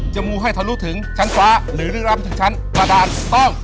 มูให้ทะลุถึงชั้นฟ้าหรือลึกล้ำถึงชั้นประดานต้อง